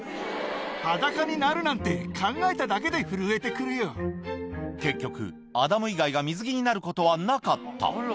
裸になるなんて、考えただけ結局、アダム以外が水着になることはなかった。